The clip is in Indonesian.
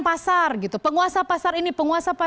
pasar gitu penguasa pasar ini penguasa